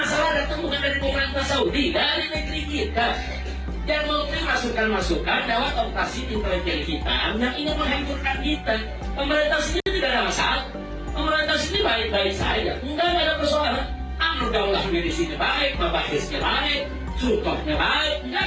semua masalah datang bukan dari pemerintah saudi dari negeri kita